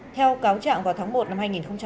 theo cáo trạng vào tháng một năm hai nghìn một mươi tám